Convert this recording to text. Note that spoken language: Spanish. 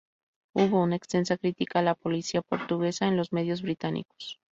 Hubo una extensa crítica a la policía portuguesa en los medios británicos.